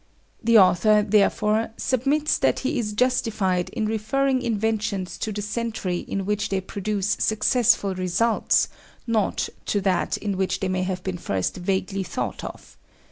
The author, therefore, submits that he is justified in referring inventions to the century in which they produce successful results, not to that in which they may have been first vaguely thought of.